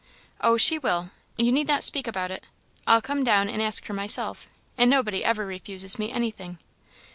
"Oh, she will. You need not speak about it; I'll come down and ask her myself, and nobody ever refuses me anything."